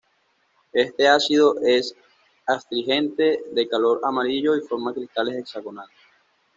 Este ácido es astringente, de color amarillo y forma cristales hexagonales.